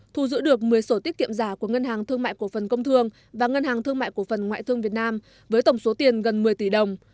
thu giữ được một mươi sổ tiết kiệm giả của ngân hàng thương mại cổ phần công thương và ngân hàng thương mại cổ phần ngoại thương việt nam với tổng số tiền gần một mươi tỷ đồng